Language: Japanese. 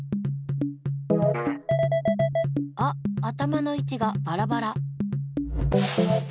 あっ頭のいちがバラバラ。